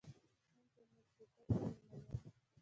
نن زموږ کوټه کې میلمانه دي.